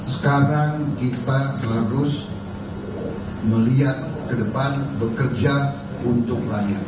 sekarang kita harus melihat ke depan bekerja untuk rakyat